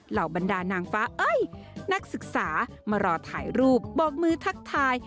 เหล่าบรรดานางฟ้าเอ้ยนักศึกษามารอถ่ายรูปโบกมือทักทาย